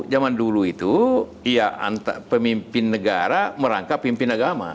jaman dulu itu pemimpin negara merangkap pemimpin agama